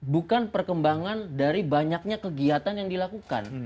bukan perkembangan dari banyaknya kegiatan yang dilakukan